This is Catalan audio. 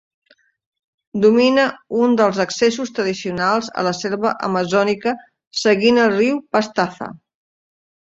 Domina un dels accessos tradicionals a la selva amazònica seguint el riu Pastaza.